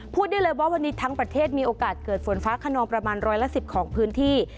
ได้เลยว่าวันนี้ทั้งประเทศมีโอกาสเกิดฝนฟ้าขนองประมาณร้อยละ๑๐ของพื้นที่